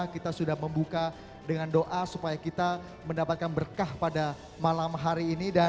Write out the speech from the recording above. kita saksikan dahulu video yang satu ini